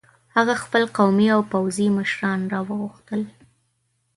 هغه خپل قومي او پوځي مشران را وغوښتل.